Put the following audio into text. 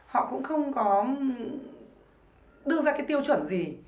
họ cũng không có đưa ra tiêu chuẩn gì